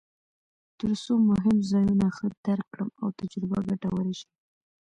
ترڅو مهم ځایونه ښه درک کړم او تجربه ګټوره شي.